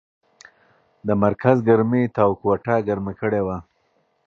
د مرکز ګرمۍ تاو کوټه ګرمه کړې وه.